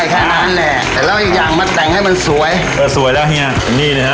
แค่นั้นแหละแต่แล้วยังมาแต่งให้มันสวยเออสวยแล้วเฮียอย่างนี้นะครับ